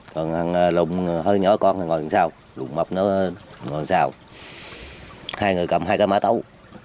còn lục hơi nhỏ con thì ngồi sau lục mập nó ngồi sau hai người cầm hai cái má tấu